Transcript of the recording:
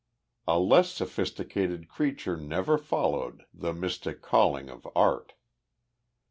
A less sophisticated creature never followed the mystic calling of art.